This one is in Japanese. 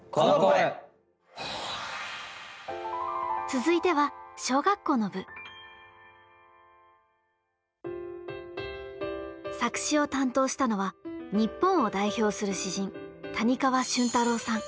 続いては作詞を担当したのは日本を代表する詩人谷川俊太郎さん。